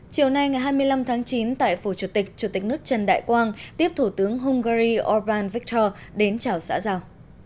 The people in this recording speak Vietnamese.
chiều nay ngày hai mươi năm tháng chín tại phủ chủ tịch chủ tịch nước trần đại quang tiếp thủ tướng hungary orban viktor đến chảo xã giao